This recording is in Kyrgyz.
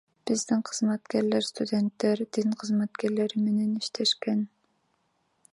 Биздин кызматкерлер студенттер, дин кызматкерлери менен иштешкен.